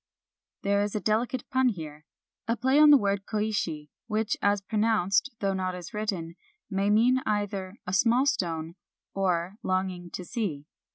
There is a delicate pun here, — a play on the word Koishi, which, as pronounced, though not as written, may mean either " a small stone," or " longing to see."